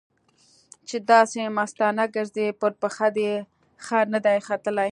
چې داسې مستانه ګرځې؛ پر پښه دې خر نه دی ختلی.